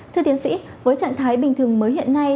thưa tiến sĩ với trạng thái bình thường mới hiện nay